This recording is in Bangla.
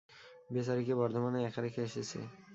বেচারিকে বর্ধমানে একা রেখে এসেছে।